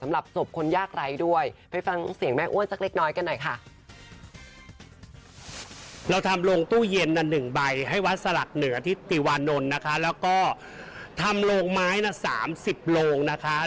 ศพคนยากไร้ด้วยไปฟังเสียงแม่อ้วนสักเล็กน้อยกันหน่อยค่ะ